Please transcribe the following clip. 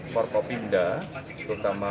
for kopimda terutama